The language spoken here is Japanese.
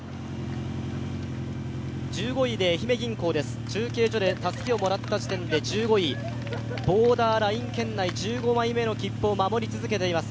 １５位で愛媛銀行です、中継所でたすきをもらった時点で１５位、ボーダーライン圏内、１５枚目の切符を守り続けています。